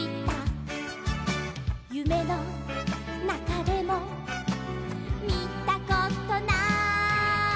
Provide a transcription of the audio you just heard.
「ゆめのなかでもみたことない」